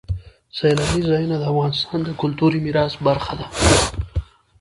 سیلاني ځایونه د افغانستان د کلتوري میراث برخه ده.